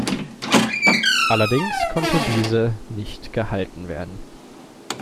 Allerdings konnte diese nicht gehalten werden.